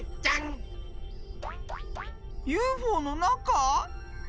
ＵＦＯのなか？